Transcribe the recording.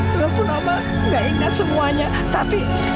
walaupun oma nggak ingat semuanya tapi